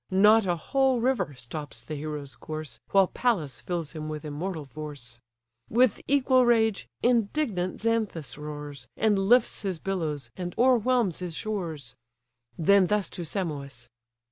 Not a whole river stops the hero's course, While Pallas fills him with immortal force. With equal rage, indignant Xanthus roars, And lifts his billows, and o'erwhelms his shores. Then thus to Simois!